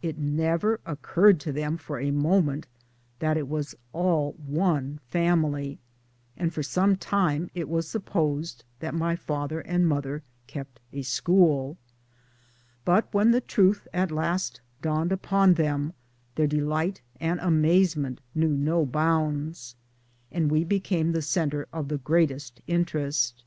It never occurred to them for a moment that it was all one family, and for some time it was supposed that my father and mother kept a school ! But when the truth at last dawned upon them, their delight and amazement knew no bounds, and we became the centre of the greatest interest.